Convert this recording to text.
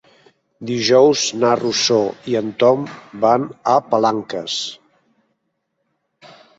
Dijous na Rosó i en Tom van a Palanques.